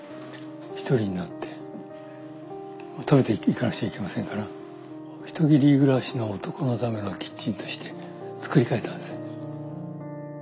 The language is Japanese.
ひとりになって食べていかなくちゃいけませんからひとり暮らしの男のためのキッチンとして作り変えたんです。